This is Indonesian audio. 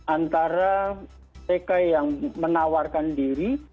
antara mereka yang menawarkan diri